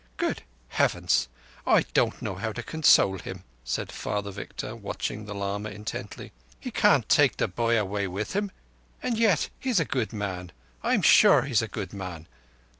"Good heavens, I don't know how to console him," said Father Victor, watching the lama intently. "He can't take the boy away with him, and yet he's a good man—I'm sure he's a good man.